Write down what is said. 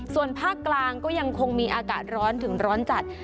ส่วนภาคกลางก็ยังคงมีอากาศร้อนถึงร้อนจัด